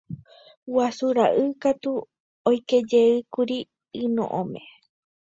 Guasu ra'y katu oikejeýkuri yno'õme.